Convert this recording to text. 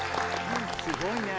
すごいね。